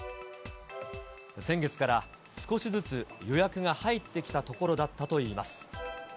先月から少しずつ予約が入ってきたところだったといいます。